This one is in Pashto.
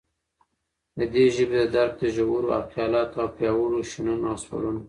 ددي ژبي ددرک دژورو خیالاتو او پیاوړو شننو او سپړنو